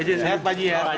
ijin sehat pak jihad